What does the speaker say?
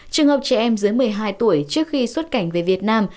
trường hợp trẻ em dưới một mươi hai tuổi trước khi xuất cảnh về việt nam